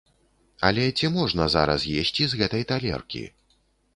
Але ці можна зараз есці з гэтай талеркі?